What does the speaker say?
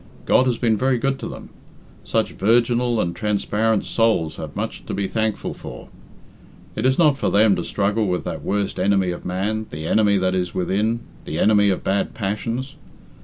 God has been very good to them. Such virginal and transparent souls have much to be thankful for. It is not for them to struggle with that worst enemy of man, the enemy that is within, the enemy of bad passions.